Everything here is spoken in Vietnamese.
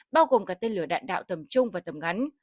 bao gồm cả tên lửa đạn đạo tầm trung và tầm ngắn